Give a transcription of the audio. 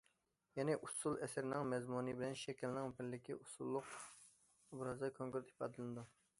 يەنى، ئۇسسۇل ئەسىرىنىڭ مەزمۇنى بىلەن شەكلىنىڭ بىرلىكى ئۇسسۇللۇق ئوبرازدا كونكرېت ئىپادىلىنىدۇ.